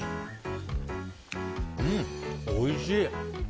うん、おいしい！